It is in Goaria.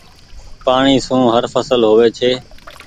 پآڻيٚ سون هر ڦسل هووي ڇي۔